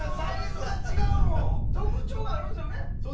特徴があるんですよね。